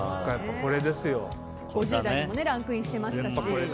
５０代でもランクインしてましたし。